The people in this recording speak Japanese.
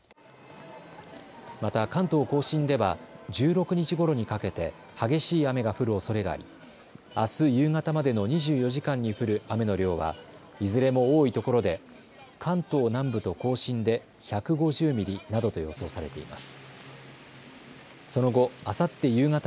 また関東甲信では１６日ごろにかけて激しい雨が降るおそれがありあす夕方までの２４時間に降る雨の量はいずれも多いところで関東南部と甲信で１５０ミリなどと予想されています。